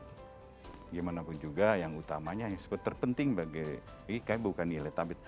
gimanapun juga yang utamanya yang sepertinya terpenting bagi ini kan bukan nilai tambah